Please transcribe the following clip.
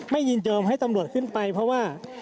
ยินยอมให้ตำรวจขึ้นไปเพราะว่า